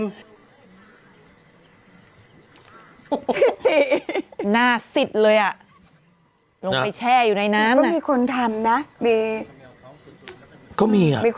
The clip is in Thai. คือตีหน้าสิดเลยอ่ะลงไปแช่อยู่ในน้ำน่ะก็มีคนทำนะมี